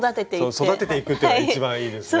そう育てていくっていうのがいちばんいいですね。